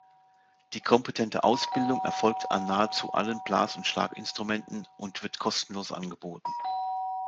Die kompetente Ausbildung erfolgt an nahezu allen Blas- und Schlaginstrumenten und wird kostenlos angeboten.